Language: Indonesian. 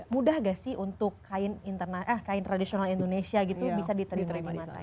mudah gak sih untuk kain tradisional indonesia gitu bisa diterima di mata